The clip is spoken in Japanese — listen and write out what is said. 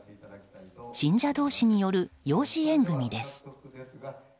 信者同士による養子縁組です。